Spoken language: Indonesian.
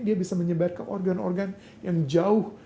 dia bisa menyebar ke organ organ yang jauh